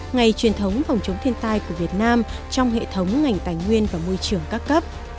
ngày truyền thống phòng chống thiên tai của việt nam trong hệ thống ngành tài nguyên và môi trường các cấp